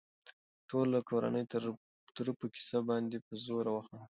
ټوله کورنۍ د تره په کيسه باندې په زوره وخندل.